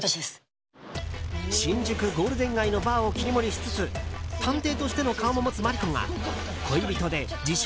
新宿ゴールデン街のバーを切り盛りしつつ探偵としての顔を持つマリコが恋人で自称